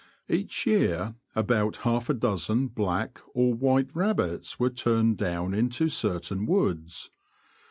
Each year about half a dozen black or white rabbits were turned down into certain woods.